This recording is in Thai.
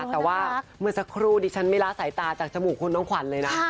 แต่ว่าเมื่อสักครู่ดิฉันไม่ละสายตาจากจมูกคุณน้องขวัญเลยนะ